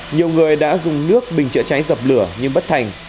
nhiều người đã dùng nước bình chữa cháy dập lửa nhưng bất thành